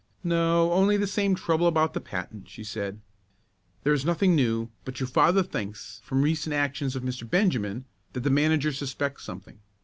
"No, only the same trouble about the patent," she said. "There is nothing new, but your father thinks from the recent actions of Mr. Benjamin that the manager suspects something.